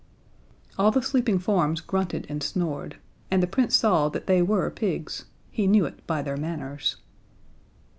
All the sleeping forms grunted and snored, and the Prince saw that they were pigs: He knew it by their manners.